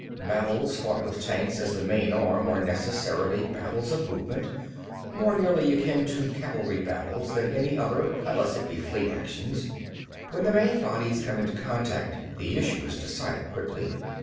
Battles fought with tanks as the main arm are necessarily battles of movement, more nearly akin to cavalry battles than any other unless it be fleet actions. When the main bodies come into contact, the issue is decided quickly.